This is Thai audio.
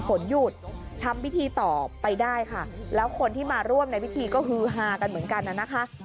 ฝนหยุดทำพิธีต่อไปได้ค่ะแล้วคนที่มาร่วมในพิธีก็ฮือฮากันเหมือนกันน่ะนะคะ